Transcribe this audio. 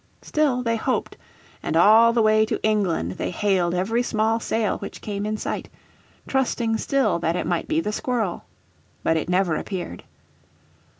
Still they hoped, and all the way to England they hailed every small sail which came in sight, trusting still that it might be the Squirrel. But it never appeared.